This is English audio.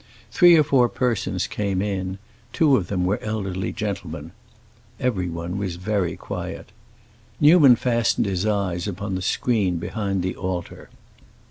Three or four persons came in; two of them were elderly gentlemen. Everyone was very quiet. Newman fastened his eyes upon the screen behind the altar.